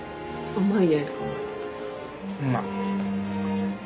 うまい。